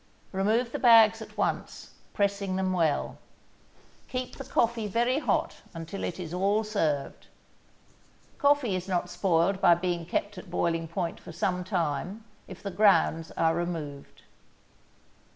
Remove the bags at once, pressing them well. Keep the coffee very hot until it is all served. Coffee is not spoiled by being kept at boiling point for some time, if the grounds are removed.